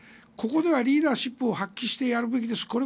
ここではリーダーシップを発揮してやるべきです。